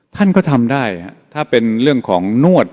ท่านก็ทำได้ถ้าเป็นเรื่องของนวด